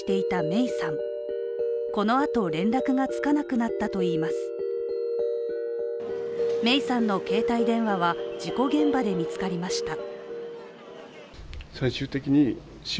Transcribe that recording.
芽生さんの携帯電話は、事故現場で見つかりました。